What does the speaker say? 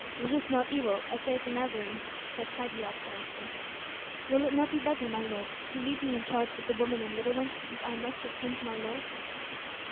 "Resist not evil, as saith the Nazarene," quoth Pagiel piously. "Will it not be better, my lord, to leave me in charge of the women and little ones, since I am next of kin to my lord?"